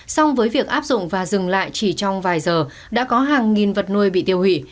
song với việc áp dụng và dừng lại chỉ trong vài giờ đã có hàng nghìn vật nuôi bị tiêu hủy